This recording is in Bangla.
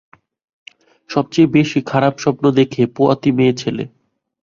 সবচেয়ে বেশি খারাপ স্বপ্ন দেখে পোয়াতি মেয়েছেলে।